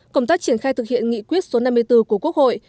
công tác triển khai thực hiện nghị quyết số năm mươi bốn của quốc hội